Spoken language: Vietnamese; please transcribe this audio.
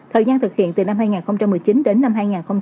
thời gian thực hiện từ năm hai nghìn một mươi chín đến năm hai nghìn hai mươi